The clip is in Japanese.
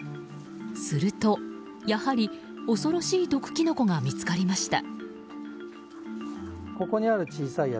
すると、やはり恐ろしい毒キノコが見つかりました。